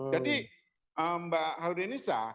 jadi mbak haudenisa